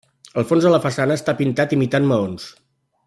El fons de la façana està pintat imitant maons.